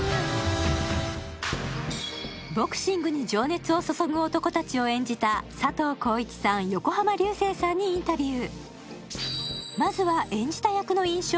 ボクシングに情熱を注ぐ男たちを演じた佐藤浩市さん、横浜流星さんにインタビュー。